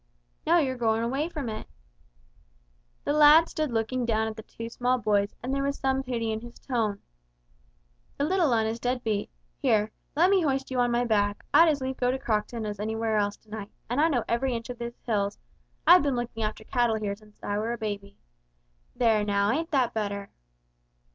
"No, you're goin' away from it." The lad stood looking down at the two small boys and there was some pity in his tone. "The little 'un is dead beat. Here let me hoist you on my back, I'd as lief go to Crockton as anywhere else to night, and I know every inch of these hills, I've been looking after cattle here since I were a babby! There now, ain't that better?"